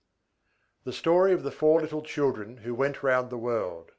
THE STORY OF THE FOUR LITTLE CHILDREN WHO WENT ROUND THE WORLD.